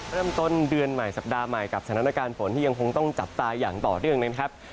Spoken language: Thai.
เริ่มต้นเดือนใหม่สัปดาห์ใหม่กับสถานการณ์ฝนที่ยังคงต้องจับตาอย่างต่อเนื่องนะครับ